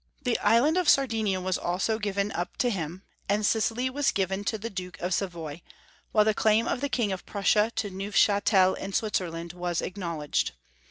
The island of Sardinia was also given up to him, and Sicily was given to the Duke of Savoy, while the claim of the King of Prussia to Neufchatel in Switzerland was acknowledged.